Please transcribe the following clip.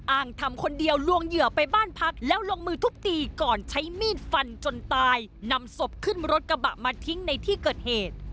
อ้างทำคนเดียวลวงเหยื่อไปบ้านพักแล้วลงมือทุบตีก่อนใช้มีดฟันจนตายนำศพขึ้นรถกระบะมาทิ้งในที่เกิดเหตุ